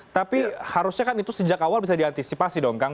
tapi harusnya kan itu sejak awal bisa diantisipasi dong kang